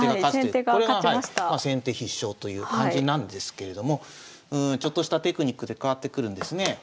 これが先手必勝という感じなんですけれどもちょっとしたテクニックで変わってくるんですね。